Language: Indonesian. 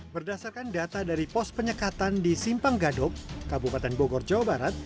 berdasarkan data dari pos penyekatan di simpang gadok kabupaten bogor jawa barat